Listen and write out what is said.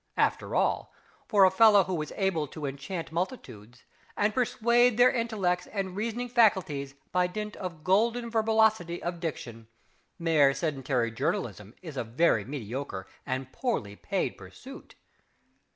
After all, for a fellow who is able to enchant multitudes, and persuade their intellects and reasoning faculties by dint of golden verbolatory of diction, mere sedentary journalism is a very mediocre and poorly paid pursuit!